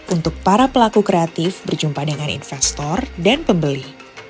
untuk para pelaku kreatif berjumpa dengan investor dan pembeli